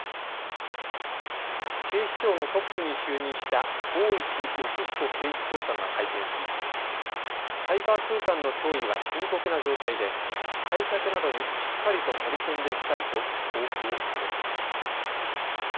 警視庁のトップに就任した大石吉彦警視総監が会見しサイバー空間の脅威は深刻な状態で対策などにしっかりと取り組んでいきたいと抱負を述べました。